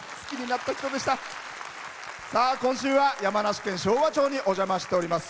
今週は山梨県昭和町にお邪魔しております。